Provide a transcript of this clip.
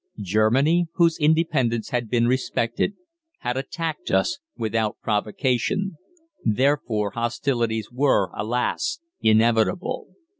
Germany, whose independence had been respected, had attacked us without provocation; therefore hostilities were, alas, inevitable.